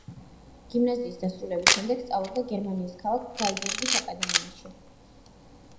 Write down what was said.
გიმნაზიის დასრულების შემდეგ სწავლობდა გერმანიის ქალაქ ფრაიბურგის აკადემიაში.